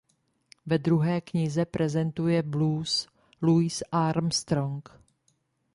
Ve druhé knize prezentuje blues Louis Armstrong.